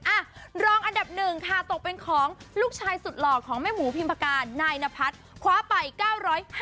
อ่ะรองอันดับหนึ่งค่ะตกเป็นของลูกชายสุดหล่อของแม่หมูพิมพากานายนพัฒน์คว้าไป๙๕๐